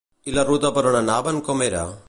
I la ruta per on anaven com era?